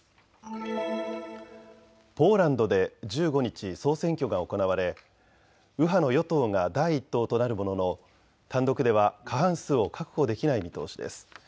ポーランドで１５日、総選挙が行われ右派の与党が第１党となるものの単独では過半数を確保できない見通しです。